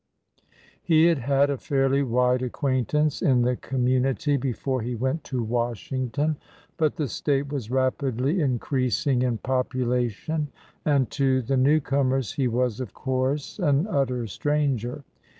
He had had a fairly wide acquaintance in the community before he went to Washington, but the State was rapidly increasing in population, and to the newcomers he was, of course, an utter stranger.